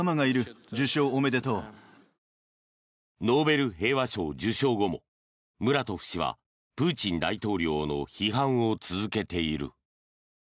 ノーベル平和賞受賞後もムラトフ氏はプーチン大統領の批判を続けている。